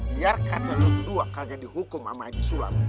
biar kata lu berdua kagak dihukum sama haji sulam